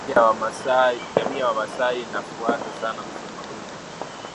Jamii ya Wamasai inafuata sana mfumo dume